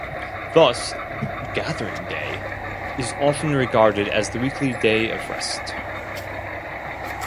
Thus "gathering day" is often regarded as the weekly day of rest.